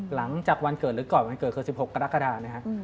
หลังจากวันเกิดหรือก่อนวันเกิดคือ๑๖กรกฎานะครับ